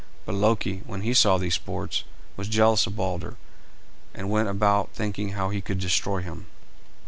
But Loki, when he saw these sports, was jealous of Balder, and went about thinking how he could destroy him.